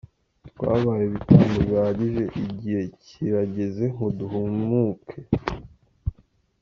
Twabaye ibitambo bihagije igihe kirageze ngo duhumuke.